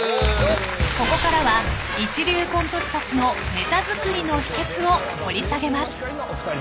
［ここからは一流コント師たちのネタ作りの秘訣を掘り下げます］